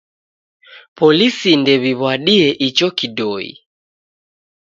Polisi ndew'iw'adie icho kidoi.